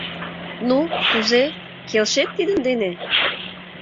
Ну, кузе, келшет тидын дене?